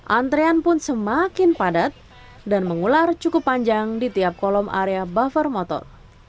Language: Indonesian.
antrean pun semakin padat dan mengular cukup panjang di tiap kolom area buffer motor